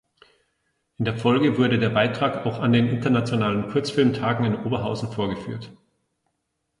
In der Folge wurde der Beitrag auch an den Internationalen Kurzfilmtage in Oberhausen vorgeführt.